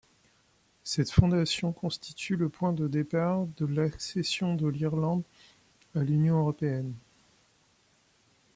Cette fondation constitue le point de départ de l’accession de l’Irlande à l’Union européenne.